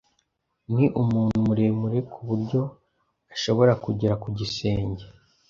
Ni umuntu muremure kuburyo ashobora kugera ku gisenge.